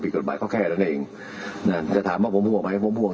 มีศาสตราจารย์พิเศษวิชามหาคุณเป็นประเทศด้านกรวมความวิทยาลัยธรม